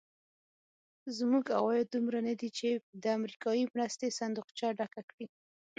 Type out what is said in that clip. زموږ عواید دومره ندي چې د امریکایي مرستې صندوقچه ډکه کړي.